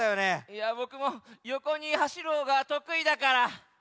いやボクもよこにはしるほうがとくいだから。